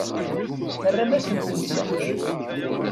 Terramt-asent-tent-id.